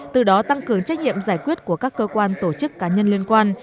từ đó tăng cường trách nhiệm giải quyết của các cơ quan tổ chức cá nhân liên quan